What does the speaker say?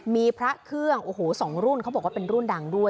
มีพระเครื่องโอ้โหสองรุ่นเขาบอกว่าเป็นรุ่นดังด้วย